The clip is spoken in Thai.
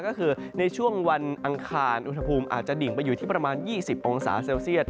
ก็คือในช่วงวันอังคารอุณหภูมิอาจจะดิ่งไปอยู่ที่ประมาณ๒๐องศาเซลเซียต